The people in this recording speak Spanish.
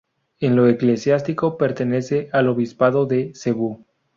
En lo eclesiástico pertenece al obispado de Cebú.